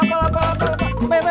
kelapa kelapa kelapa kelapa